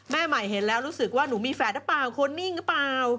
ใหม่เห็นแล้วรู้สึกว่าหนูมีแฝดหรือเปล่าคนนิ่งหรือเปล่า